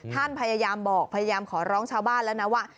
ท่านพยายามบอกพยายามขอร้องชาวบ้านแล้วนะว่า